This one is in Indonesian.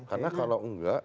karena kalau enggak